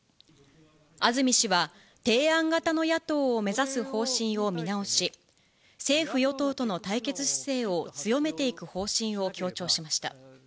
安住氏は提案型の野党を目指す方針を見直し、政府・与党との対決姿勢を強めていく方針を強調しました。